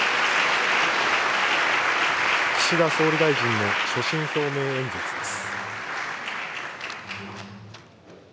岸田総理大臣の所信表明演説です。